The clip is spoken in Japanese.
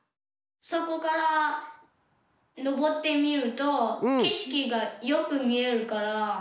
そこからのぼってみるとけしきがよくみえるから。